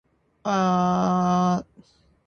違憲審査